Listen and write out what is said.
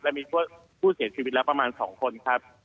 และมีผู้เสียชีวิตแล้วประมาณ๒คนครับ